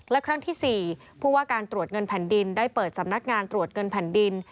และครั้งที่๔ผู้ว่าการตรวจเงินแผ่นดินได้เปิดสำนักงานตรวจเงินแผ่นดิน